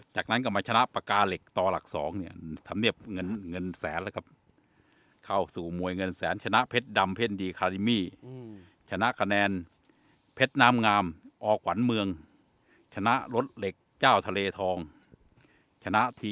จากนั้นก็มาชนะปากกาเหล็กต่อหลักสองเนี่ยทำเนียบเงินเงินแสนแล้วก็เข้าสู่มวยเงินแสนชนะเพชรดำเพ่นดีคาริมีชนะคะแนนเพชรน้ำงามอขวัญเมืองชนะรถเหล็กเจ้าทะเลทองชนะที